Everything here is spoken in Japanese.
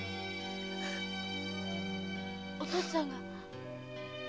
お父っつぁんが？